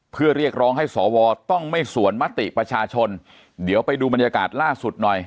เพื่อเรียกร้องให้สวต้องไม่สวนมติประชาชนเดี๋ยวไปดูบรรยากาศล่าสุดหน่อย